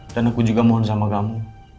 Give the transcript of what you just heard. dan aku juga mohon sama kamu